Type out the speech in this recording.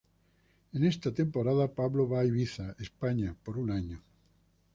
En esta temporada, Pablo va a Ibiza, España por un año.